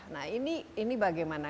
nah ini bagaimana